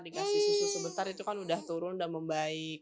dikasih susu sebentar itu kan udah turun udah membaik